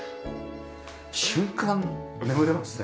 瞬間眠れますね。